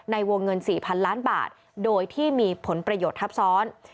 ในวงเงิน๔๐๐๐ล้านบาทโดยที่มีผลประโยชน์ทับซ้อน